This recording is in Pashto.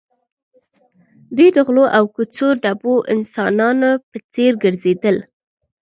دوی د غلو او کوڅه ډبو انسانانو په څېر ګرځېدل